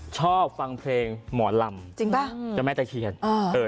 ชอบฟังเพลงหมอลำจริงป่ะเจ้าแม่ตะเคียนอ่าเออ